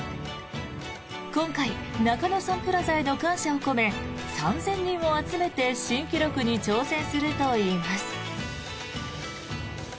今回、中野サンプラザへの感謝を込め３０００人を集めて新記録に挑戦するといいます。